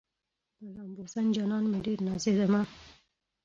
په لامبوزن جانان مې ډېره نازېدمه